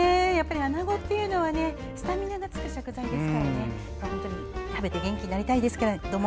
アナゴってスタミナがつく食材なので食べて元気になりたいですけども。